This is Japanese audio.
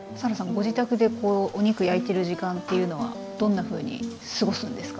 ご自宅でお肉焼いてる時間っていうのはどんなふうに過ごすんですか？